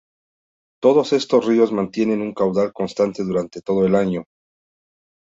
Todos estos ríos mantienen un caudal constante durante todo el año.